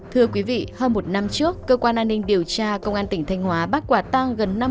thưa quý vị hơn một năm trước cơ quan an ninh điều tra công an tỉnh thanh hóa bắt quả tăng gần năm mươi công nhân